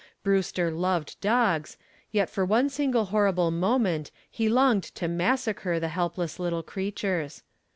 Brewster loved dogs, yet for one single horrible moment he longed to massacre the helpless little creatures.